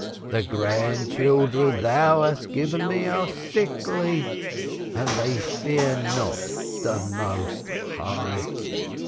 The grandchildren thou hast given me are sickly, and they fear not the Most High.